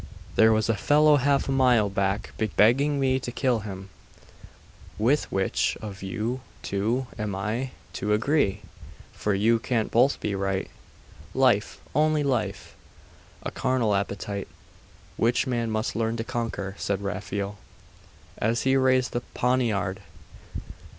'There was a fellow half a mile back begging me to kill him: with which of you two am I to agree? for you can't both be right.' 'Life! Only life!' 'A carnal appetite, which man must learn to conquer,' said Raphael, as he raised the poniard.....